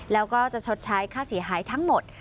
แล้วก็จะชดใช้ค่าเสียหายทั้งหมด